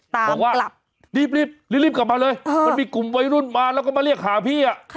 บอกว่ากลับรีบกลับมาเลยมันมีกลุ่มวัยรุ่นมาแล้วก็มาเรียกหาพี่